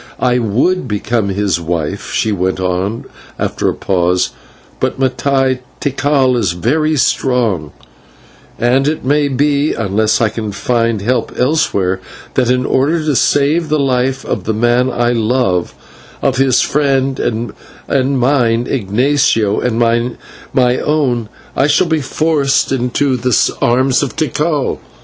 I would become his wife," she went on after a pause, "but, Mattai, Tikal is very strong, and it may be, unless I can find help elsewhere, that in order to save the life of the man I love, of his friend and mine, Ignatio, and my own, I shall be forced into the arms of Tikal.